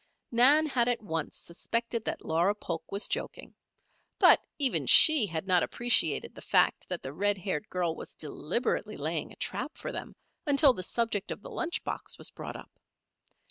Nan had at once suspected that Laura Polk was joking. But, even she had not appreciated the fact that the red haired girl was deliberately laying a trap for them until the subject of the lunch box was brought up.